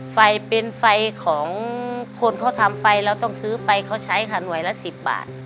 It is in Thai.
ไฟเป็นไฟของคนเขาทำไฟเราต้องซื้อไฟเขาใช้ค่ะหน่วยละ๑๐บาท